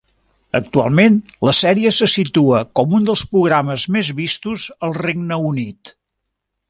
Actualment la sèrie se situa com un dels programes més vistos al Regne Unit.